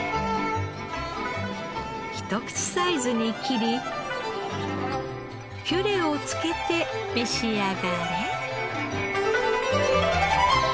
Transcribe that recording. ひと口サイズに切りピュレをつけて召し上がれ。